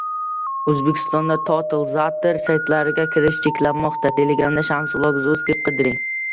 O‘zbekistonda totalizator saytlariga kirish cheklanmoqda